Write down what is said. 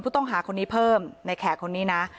ต้องหาคนนี้เพิ่มในแขกคนนี้นะ